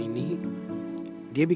iya iya dipakai